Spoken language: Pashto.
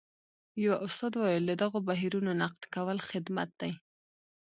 یوه استاد وویل د دغو بهیرونو نقد کول خدمت دی.